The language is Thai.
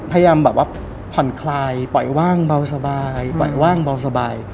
พยายามแบบว่าผ่อนคลายปล่อยว่างเบาสบายปล่อยว่างเบาสบาย